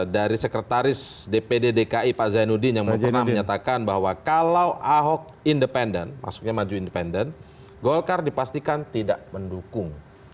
dari sekretaris dpd dki pak zainuddin yang pernah menyatakan bahwa kalau ahok independen maksudnya maju independen golkar dipastikan tidak mendukung